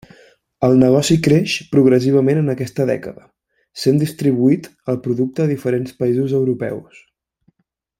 El negoci creix progressivament en aquesta dècada, sent distribuït el producte a diferents països europeus.